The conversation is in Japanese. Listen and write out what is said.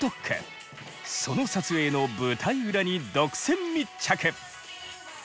その撮影の舞台裏に独占密着。